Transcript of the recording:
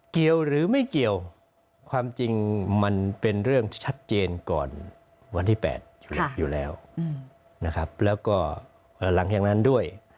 เกี่ยวหรือไม่เกี่ยวความจริงมันเป็นเรื่องชัดเจนก่อนวันที่๘อยู่แล้วนะครับแล้วก็หลังจากนั้นด้วย